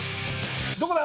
どこだ？